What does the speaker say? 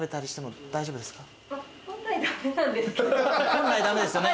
本来駄目ですよね。